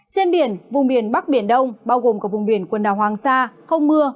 trên biển vùng biển bắc biển đông bao gồm cả vùng biển quần đảo hoàng sa không mưa